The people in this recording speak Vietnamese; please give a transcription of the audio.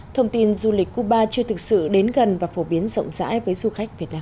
thông tin du lịch cuba chưa thực sự đến gần và phổ biến rộng rãi với du khách việt nam